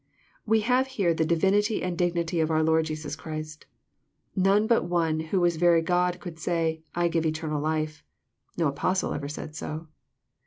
We have here the divinity and dignity of our Lord Jesus Christ. None but one who was very God could say, "I give eternal life." No Apostle ever said so.